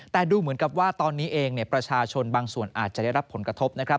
แต่ดูเหมือนกับว่าตอนนี้เองประชาชนบางส่วนอาจจะได้รับผลกระทบนะครับ